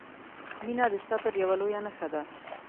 • مینه د صبر یوه لویه نښه ده.